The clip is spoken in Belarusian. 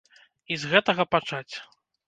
І з гэтага пачаць.